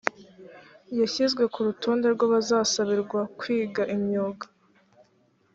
yashyizwe ku rutonde rw’abazasabirwa kwiga imyuga